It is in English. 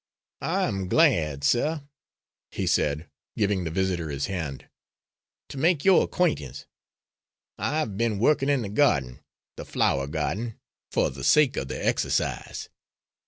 "I am glad, sir," he said, giving the visitor his hand, "to make your acquaintance. I have been working in the garden the flower garden for the sake of the exercise.